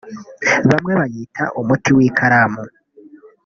Bamwe bayita umuti w’ikaramu